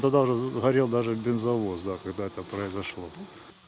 pada saat itu benzo vose juga berlaku